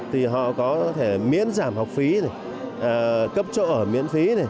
thì họ có thể miễn giảm học phí cấp chỗ ở miễn phí